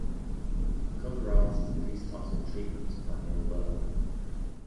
The cover art is a piece titled "Treatment" by Neil Burke.